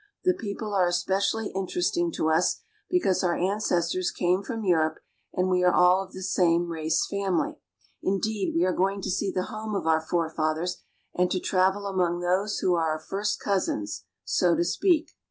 The people are especially interesting to us because our ancestors came from Europe, and we are all of the same race family. Indeed, we are going to see the home of our forefathers, and to travel among those who are our first cousins, so to speak.